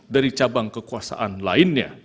dari cabang kekuasaan lainnya